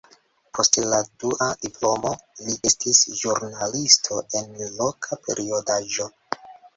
Post la dua diplomo li estis ĵurnalisto en loka periodaĵo.